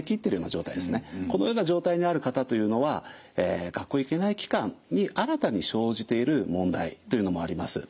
このような状態になる方というのは学校へ行けない期間に新たに生じている問題というのもあります。